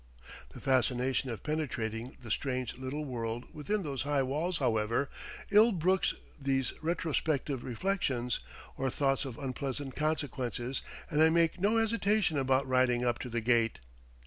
The fascination of penetrating the strange little world within those high walls, however, ill brooks these retrospective reflections, or thoughts of unpleasant consequences, and I make no hesitation about riding up to the gate.